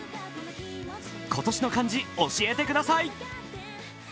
今年の漢字、教えてください。